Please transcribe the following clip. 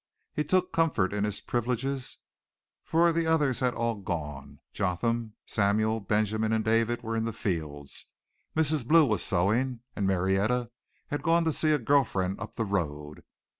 He took comfort in his privileges, for the others had all gone. Jotham, Samuel, Benjamin and David were in the fields. Mrs. Blue was sewing and Marietta had gone to see a girl friend up the road.